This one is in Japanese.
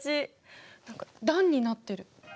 何か段になってる。